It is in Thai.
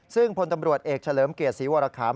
ซึ่งพลตำรวจเอกเฉลิมเกียรติศรีวรคาม